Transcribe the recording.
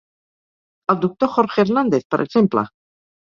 El Dr. Jorge Hernández, per exemple?